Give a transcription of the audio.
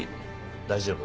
大丈夫？